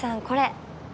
これ。